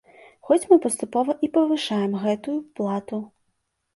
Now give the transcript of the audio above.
Хоць мы паступова і павышаем гэтую плату.